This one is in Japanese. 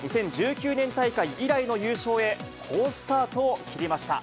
２０１９年大会以来の優勝へ、好スタートを切りました。